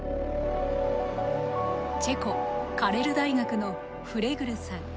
チェコカレル大学のフレグルさん。